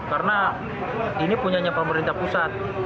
karena ini punyanya pemerintah pusat